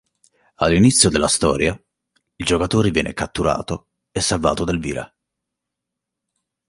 All'inizio della storia, il giocatore viene catturato, e salvato da Elvira.